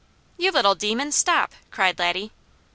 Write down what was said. "You little demon, stop!" cried Laddie.